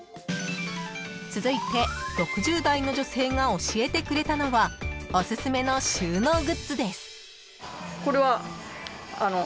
［続いて６０代の女性が教えてくれたのはおすすめの収納グッズです］